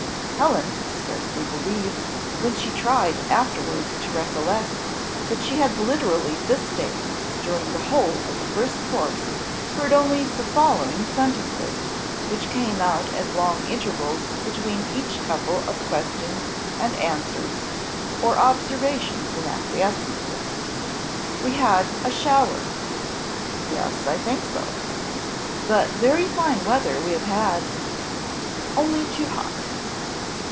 Helen could scarcely believe, when she tried afterwards to recollect, that she had literally this day, during the whole of the first course, heard only the following sentences, which came out at long intervals between each couple of questions and answers or observations and acquiescences: "We had a shower." "Yes, I think so." "But very fine weather we have had." "Only too hot."